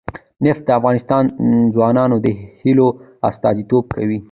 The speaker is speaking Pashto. نفت د افغان ځوانانو د هیلو استازیتوب کوي.